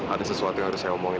ada sesuatu yang harus saya omongin